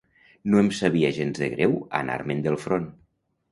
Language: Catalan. No em sabia gens de greu anar-me'n del front